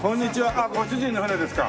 あっご主人の船ですか。